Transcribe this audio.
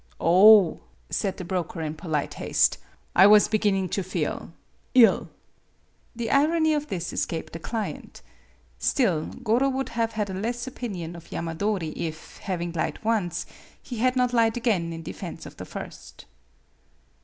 "Oh," said the broker, in polite haste, "I was beginning to feel ill." The irony of this escaped the client. Still, Goro would have had a less opinion of Yama dori if, having lied once, he had not lied again in defense of the first.